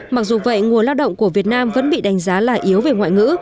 mặc dù vậy nguồn lao động của việt nam vẫn bị đánh giá là yếu về ngoại ngữ